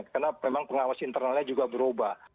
karena memang pengawas internalnya juga berubah